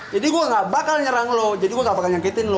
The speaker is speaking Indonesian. jadi gua gak bakal nyerang lo jadi gua gak bakal nyangkitin lo